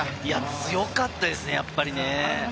強かったですね、やっぱりね。